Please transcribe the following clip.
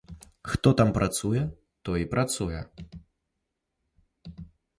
Хто там працуе, той і працуе.